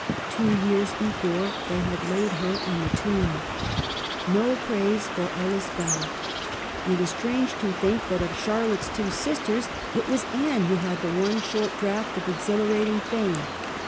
Two years before they had laid her in the tomb. No praise for Ellis Bell. It is strange to think that of Charlotte's two sisters it was Anne < VVUTHERING HEIGHTS: 279 who had the one short draught of exhilarating fame.